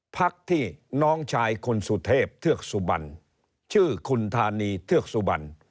พักที่น้องชายคุณสุเทพเทือกสุบันชื่อคุณธานีเทือกสุบัน